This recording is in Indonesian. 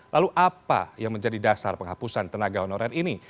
lalu apa yang menjadi dasar penghapusan tenaga honorer ini